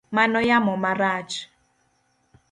Mano yamo marach.